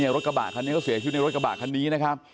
รถกระบะคันนี้ก็เสียชีวิตในรถกระบะคันนี้นะครับ